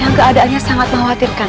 yang keadaannya sangat mengkhawatirkan